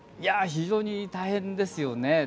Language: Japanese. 非常に大変ですよね。